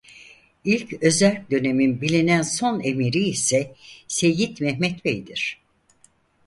İlk özerk dönemin bilinen son Emiri ise Seyyid Mehmed Beydir.